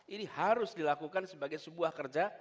ini harus dilakukan sebagai sebuah kerja